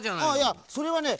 いやそれはね